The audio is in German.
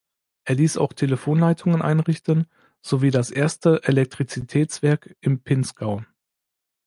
Er ließ auch Telefonleitungen einrichten sowie das erste Elektrizitätswerk im Pinzgau.